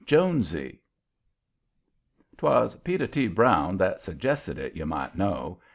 JONESY 'Twas Peter T. Brown that suggested it, you might know.